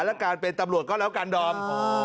และการเป็นตำรวจก็แล้วกันดอม